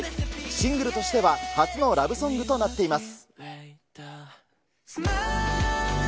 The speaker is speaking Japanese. シングルとしては、初のラブソングとなっています。